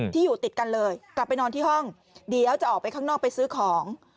ที่อยู่ติดกันเลยกลับไปนอนที่ห้องเดี๋ยวจะออกไปข้างนอกไปซื้อของ